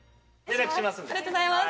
ありがとうございます。